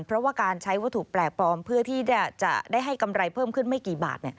เพราะว่าการใช้วัตถุแปลกปลอมเพื่อที่จะได้ให้กำไรเพิ่มขึ้นไม่กี่บาท